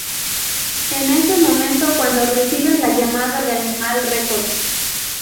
Es en ese momento cuando reciben la llamada de Animal Records.